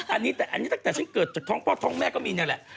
อันนี้โดยทั้งตั้งแต่ฉันเกิดจากพ่อท้องแม่ก็มีเนี้ยแหละ